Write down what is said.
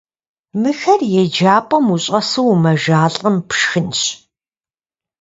Мыхэр еджапӀэм ущӀэсу умэжалӀэм, пшхынщ.